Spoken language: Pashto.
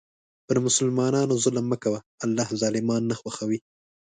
پر مسلمانانو ظلم مه کوه، الله ظالمان نه خوښوي.